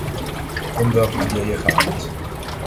Om welke ideeën gaat het?